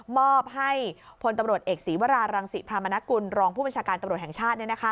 มอบให้พลตำรวจเอกศีวรารังศิพรามนกุลรองผู้บัญชาการตำรวจแห่งชาติ